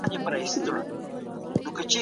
ایا د خدماتو تولید اړین دی؟